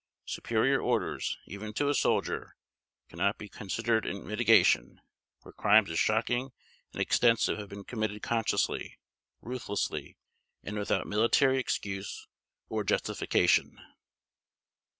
Superior orders, even to a soldier, cannot be considered in mitigation where crimes as shocking and extensive have been committed consciously, ruthlessly, and without military excuse or justification.